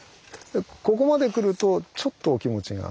ここまでくるとちょっとお気持ちが。